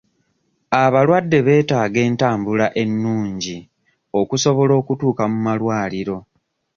Abalwadde beetaaga entambula ennungi okusobola okutuuka mu malwaliro.